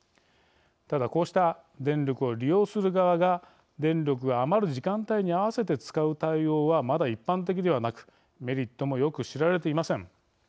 ただこうした電力を利用する側が電力が余る時間帯に合わせて使う対応はまだ一般的ではなくメリットもよく知られていません。